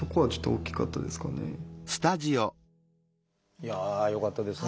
いやあよかったですね。